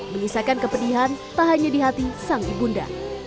menyisakan kepedihan tak hanya di hati sang ibunda